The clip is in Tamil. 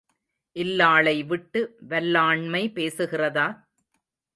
இல்லாளை விட்டு வல்லாண்மை பேசுகிறதா?